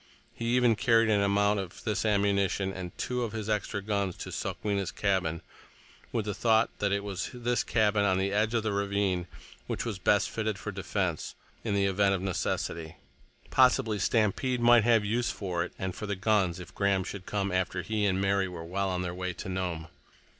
He even carried an amount of this ammunition and two of his extra guns to Sokwenna's cabin, with the thought that it was this cabin on the edge of the ravine which was best fitted for defense in the event of necessity. Possibly Stampede might have use for it, and for the guns, if Graham should come after he and Mary were well on their way to Nome.